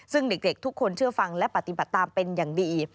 ซึ่งเด็กทุกคนเชื่อฟังและปฏิบัติตามเป็นอย่างดี